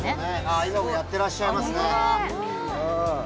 今もやってらっしゃいますね。